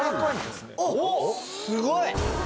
すごい！